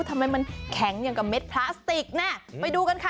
ทำไมมันแข็งอย่างกับเม็ดพลาสติกน่ะไปดูกันค่ะ